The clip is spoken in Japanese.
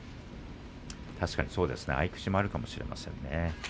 確かにそうですね合い口もあるかもしれませんね。